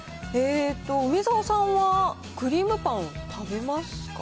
梅沢さんは、クリームパン食べますか？